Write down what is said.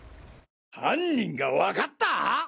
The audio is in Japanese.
犯人が分かったぁ！？